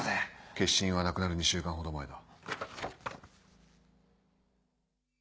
消印は亡くなる２週間ほど前だ。